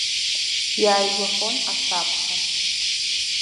Иааигәахон асабша.